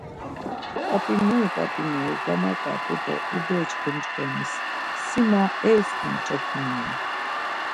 Ǩap̌ineri ǩap̌ineri gamuǩap̌u do ubecğu mç̌ǩonis, Si ma eis emç̌opumi? ya.